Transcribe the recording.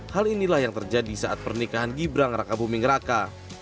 hal inilah yang terjadi saat pernikahan gibran raka buming raka